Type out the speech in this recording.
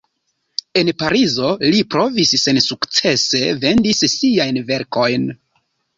En Parizo li provis sensukcese vendis siajn verkojn.